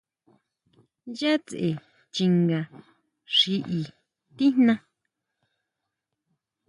¿Yʼa tsʼe chinga xi i tijná?